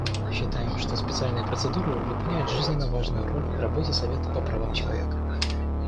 Считаем, что специальные процедуры выполняют жизненно важную роль в работе Совета по правам человека.